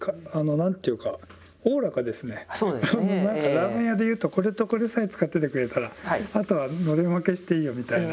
ラーメン屋で言うとこれとこれさえ使っててくれたらあとはのれん分けしていいよみたいな。